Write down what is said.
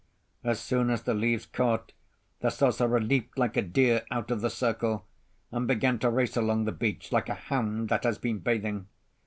As soon as the leaves caught, the sorcerer leaped like a deer out of the circle, and began to race along the beach like a hound that has been bathing.